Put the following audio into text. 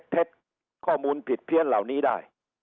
เท็จข้อมูลผิดเพี้ยนเหล่านี้ได้